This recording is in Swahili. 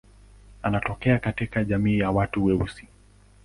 Anatokea katika jamii ya watu weusi.